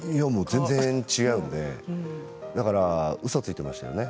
全然違うので、だからうそをついていましたね。